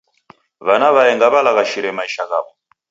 W'ana w'aenga w'alaghashire maisha ghaw'o.